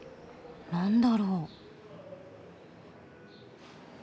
何だろう？